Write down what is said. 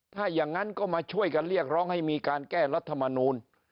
ถ้าอย่างนั้นก็มาช่วยกันเรียกร้องให้มีการแก้รัฐมนูล